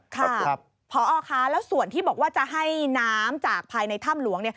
ค่ะพอคะแล้วส่วนที่บอกว่าจะให้น้ำจากภายในถ้ำหลวงเนี่ย